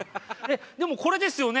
でもこれですよね？